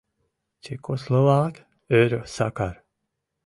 — Чекословак? — ӧрӧ Сакар.